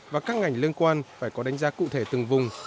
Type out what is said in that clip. và các ngành liên quan phải có đánh giá cụ thể từng vùng